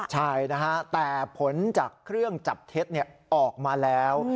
ใช่นะฮะแต่ผลจากเครื่องจับเท็จออกมาแล้ว